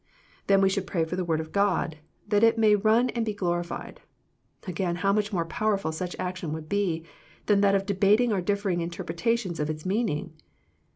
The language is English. Then we should pray for the Word of God, that it " may run and be glorified." Again how much more powerful such action would be than that of debating our differing interpretations of its meaning.